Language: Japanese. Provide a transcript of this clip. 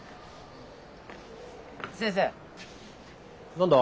何だ？